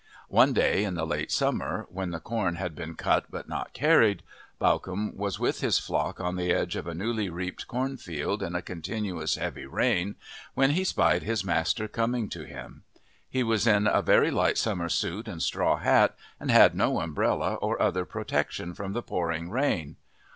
One day in the late summer, when the corn had been cut but not carried, Bawcombe was with his flock on the edge of a newly reaped cornfield in a continuous, heavy rain, when he spied his master coming to him. He was in a very light summer suit and straw hat, and had no umbrella or other protection from the pouring rain.